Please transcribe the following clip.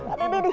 aduh aduh aduh